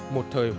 một thời hòa bình